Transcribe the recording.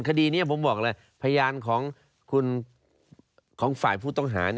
คดีนี้ผมบอกเลยพยานของฝ่ายผู้ต้องหา